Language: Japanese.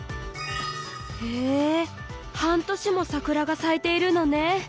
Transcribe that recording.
へえ半年も桜が咲いているのね。